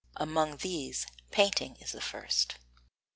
Among these painting is the first.